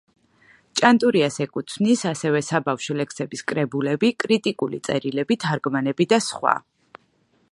ჭანტურიას ეკუთვნის ასევე საბავშვო ლექსების კრებულები, კრიტიკული წერილები, თარგმანები და სხვა.